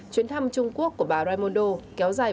chuyến thăm trung quốc của bà raimondo kéo dài